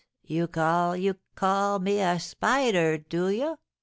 you call call me a spider do you?'